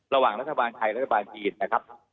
ระหว่างรัฐบาลไทยรัฐบาลจีนนะครับ